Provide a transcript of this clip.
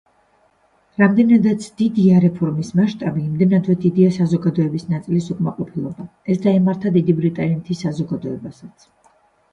რამდენადაც დიდია რეფორმის მასშტაბი, იმდენადვე დიდია საზოგადოების ნაწილის უკმაყოფილება, ეს დაემართა დიდი ბრიტანეთის საზოგადოებასაც.